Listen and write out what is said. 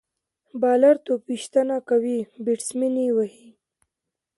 بالر توپ ویشتنه کوي، بیټسمېن يې وهي.